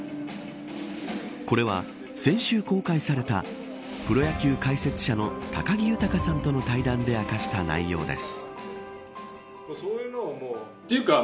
これは、先週公開されたプロ野球解説者の高木豊さんとの対談で明かした内容です。